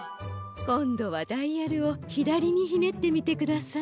こんどはダイヤルをひだりにひねってみてください。